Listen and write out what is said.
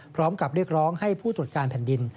พร้อมกับเรียกร้องให้ผู้ตรวจการแผ่นดิน